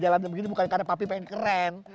dalam begini bukan karena papi pengen keren